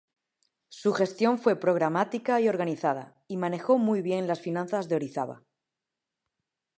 Su gestión fue programática y organizada, y manejó muy bien las finanzas de Orizaba.